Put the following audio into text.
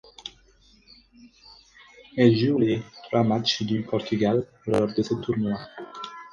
Elle joue les trois matches du Portugal lors de ce tournoi.